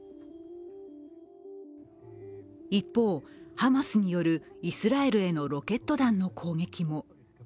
一方、ハマスによるイスラエルへのロケット弾の攻撃も。